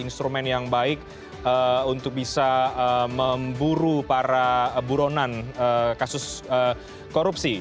instrumen yang baik untuk bisa memburu para buronan kasus korupsi